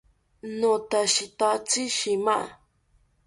Notashitatzi shima